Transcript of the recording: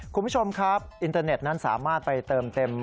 คุณผู้ชมครับอินเตอร์เน็ตนั้นสามารถไปเติมเต็ม